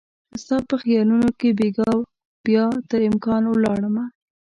ستا په خیالونو کې بیګا بیا تر امکان ولاړ مه